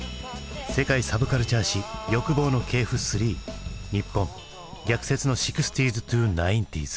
「世界サブカルチャー史欲望の系譜３日本逆説の６０−９０ｓ」。